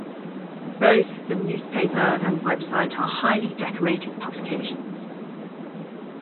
Both the newspaper and website are highly decorated publications.